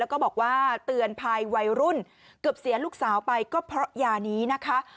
แล้วก็บอกว่าเตือนภัยวัยรุ่นเกือบเสียลูกสาวไปก็เพราะยานี้นะคะ